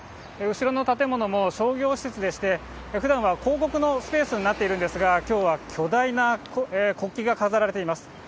後ろの建物も商業施設でして、ふだんは広告のスペースになっているんですが、きょうは巨大な国旗が飾られています。